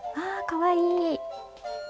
かわいい。